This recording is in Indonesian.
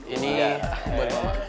ini buat mama